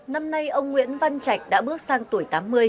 năm nay ông nguyễn văn trạch đã bước sang tuổi tám mươi